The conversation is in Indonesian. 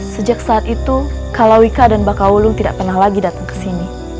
sejak saat itu kalawika dan bakaulung tidak pernah lagi datang ke sini